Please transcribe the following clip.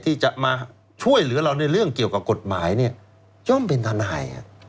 ที่จะมาช่วยเหลือเราในเรื่องเกี่ยวกับกฎหมายเนี่ยย่อมเป็นทนาย